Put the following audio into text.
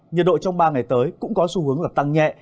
nhiệt độ trong ba ngày tới cũng có xu hướng là tăng nhẹ